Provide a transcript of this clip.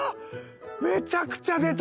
めちゃくちゃ出た。